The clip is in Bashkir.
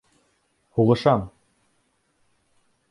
Һуғышам!